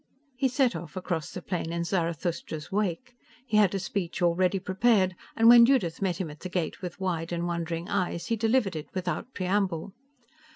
He set off across the plain in Zarathustra's wake. He had a speech already prepared, and when Judith met him at the gate with wide and wondering eyes, he delivered it without preamble.